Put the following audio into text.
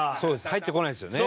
入ってこないですよね。